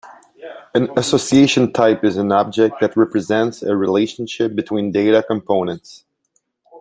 An association type is an object that represents a relationship between data components.